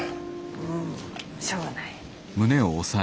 うんしょうがない。